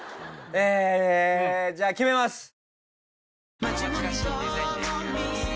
えじゃあ決めます。